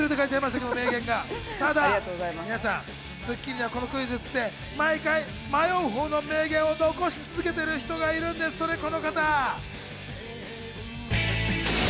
ただ皆さん『スッキリ』ではこのクイズッスで毎回迷うほうの迷言を残し続けてる人がいるんですそれこの方。